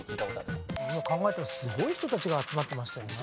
今考えたらすごい人たちが集まってましたよね。